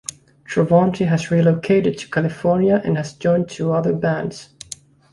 Travanti has relocated to California and has joined two other bands.